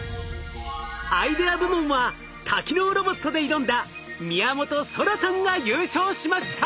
アイデア部門は多機能ロボットで挑んだ宮本昊さんが優勝しました。